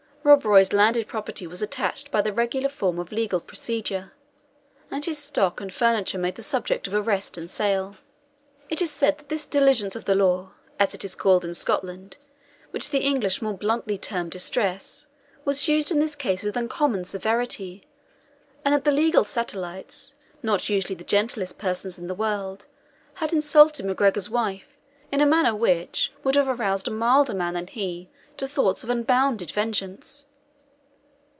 Rob Roy's landed property was attached by the regular form of legal procedure, and his stock and furniture made the subject of arrest and sale. It is said that this diligence of the law, as it is called in Scotland, which the English more bluntly term distress, was used in this case with uncommon severity, and that the legal satellites, not usually the gentlest persons in the world, had insulted MacGregor's wife, in a manner which would have aroused a milder man than he to thoughts of unbounded vengeance.